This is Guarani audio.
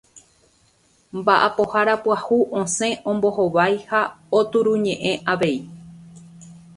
Mba'apohára pyahu osẽ ombohovái ha oturuñe'ẽ avei.